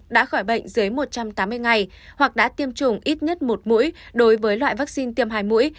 đã khỏi bệnh dưới một trăm tám mươi ngày hoặc đã tiêm chủng ít nhất một mũi đối với loại vaccine tiêm hai mũi